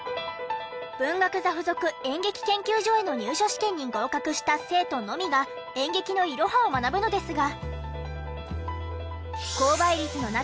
文学座附属演劇研究所への入所試験に合格した生徒のみが演劇のいろはを学ぶのですが。